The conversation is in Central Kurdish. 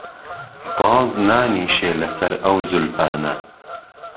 باز نانیشێ له سهر ئهو زولفانه